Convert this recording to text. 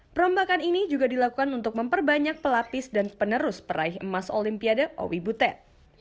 perombakan ini juga dilakukan untuk memperbanyak pelapis dan penerus peraih emas olimpiade owi butet